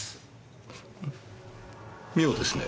妙ですね。